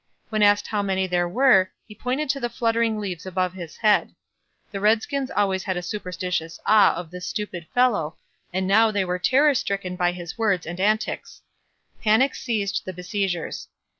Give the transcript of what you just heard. When asked how many there were, he pointed to the fluttering leaves above his head. The redskins always had a superstitious awe of this stupid fellow and now they were terror stricken by his words and antics. Panic seized the besiegers.